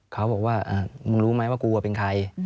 เขาบอกว่ามึงรู้ไหมว่ากูเป็นใคร